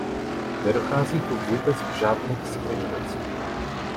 Nedochází tu vůbec k žádné diskriminaci.